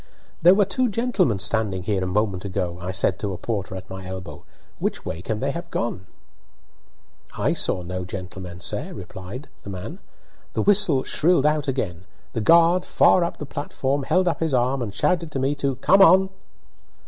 "There were two gentlemen standing here a moment ago," I said to a porter at my elbow; "which way can they have gone?" "I saw no gentlemen, sir," replied the man. The whistle shrilled out again. The guard, far up the platform, held up his arm, and shouted to me to "come on!"